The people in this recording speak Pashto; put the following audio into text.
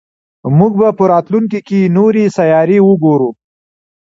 موږ به په راتلونکي کې نورې سیارې وګورو.